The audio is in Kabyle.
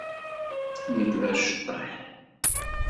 Nekk d aceṭṭaḥ.